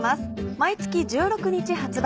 毎月１６日発売。